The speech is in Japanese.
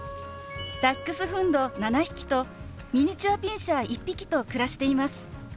ダックスフンド７匹とミニチュアピンシャー１匹と暮らしています。